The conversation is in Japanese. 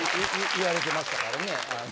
言われてましたからねあの。